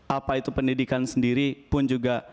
apa itu pendidikan sendiri pun juga